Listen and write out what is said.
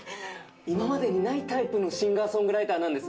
今までにないタイプのシンガーソングライターなんです。